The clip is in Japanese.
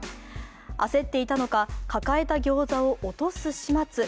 焦っていたのか、抱えたギョーザを落とす始末。